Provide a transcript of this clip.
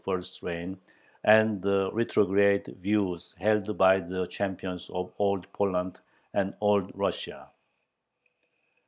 's reign and the retrograde views held by the champions of Old Poland and Old Russia.